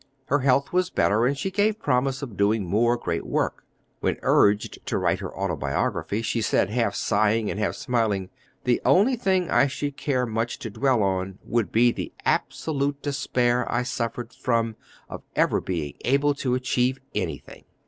Her health was better, and she gave promise of doing more great work. When urged to write her autobiography, she said, half sighing and half smiling: "The only thing I should care much to dwell on would be the absolute despair I suffered from, of ever being able to achieve anything.